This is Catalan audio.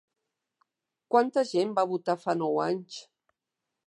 Quanta gent va votar fa nou anys?